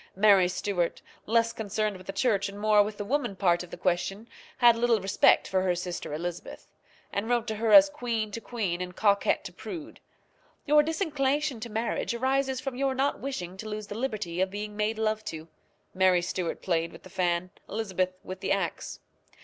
Mary Stuart, less concerned with the church and more with the woman part of the question, had little respect for her sister Elizabeth, and wrote to her as queen to queen and coquette to prude: "Your disinclination to marriage arises from your not wishing to lose the liberty of being made love to." Mary Stuart played with the fan, Elizabeth with the axe.